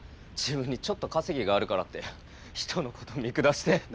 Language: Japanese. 自分にちょっと稼ぎがあるからって人のこと見下して。